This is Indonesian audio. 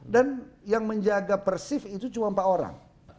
dan yang menjaga persif itu cuma empat orang